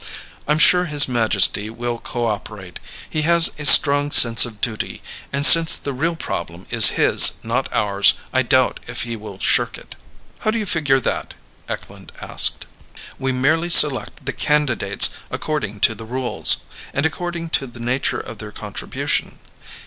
"I'm sure His Majesty will cooperate. He has a strong sense of duty and since the real problem is his, not ours, I doubt if he will shirk it." "How do you figure that?" Eklund asked. "We merely select the candidates according to the rules, and according to the nature of their contribution.